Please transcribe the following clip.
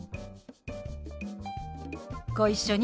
ご一緒に。